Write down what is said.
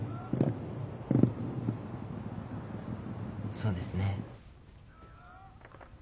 そうですね。